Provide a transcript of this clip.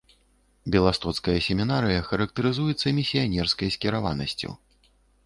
Беластоцкая семінарыя характарызуецца місіянерскай скіраванасцю.